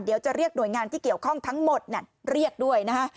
เดี๋ยวจะเรียกหน่วยงานที่เกี่ยวข้องทั้งหมดเรียกด้วยนะฮะ